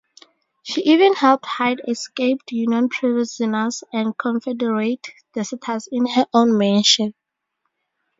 She even helped hide escaped Union prisoners and Confederate deserters in her own mansion.